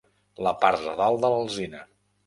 La part de dalt de l'alzina.